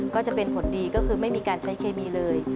ก็จะเป็นผลดีก็คือไม่มีการใช้เคมีเลย